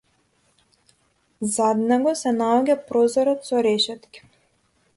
Зад него се наоѓа прозорец со решетки.